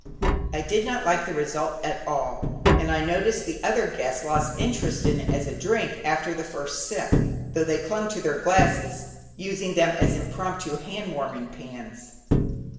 I did not like the result at all, and I noticed the other guests lost interest in it as a drink after the first sip, though they clung to their glasses, using them as impromptu hand warming pans.